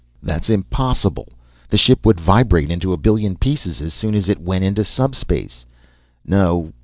"That's impossible. The ship would vibrate into a billion pieces as soon as it went into subspace. No!